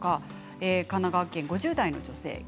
神奈川県５０代の女性です。